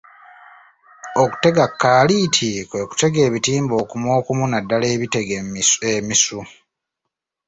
Okutega kaliiti kwe kutega ebitimba okumukumu naddala ebitega emisu.